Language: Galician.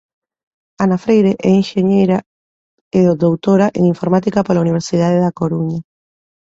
Ana Freire é enxeñeira e doutora en informática pola Universidade da Coruña.